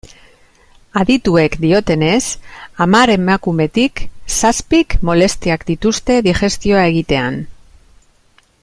Adituek diotenez, hamar emakumetik zazpik molestiak dituzte digestioa egitean.